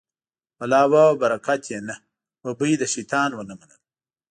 بلا وه او برکت یې نه، ببۍ د شیطان و نه منل.